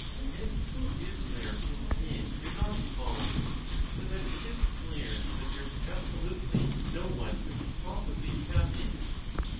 And who is there whom pain may not befall ? So that it is clear that there is absolutely no one who can possibly be happy.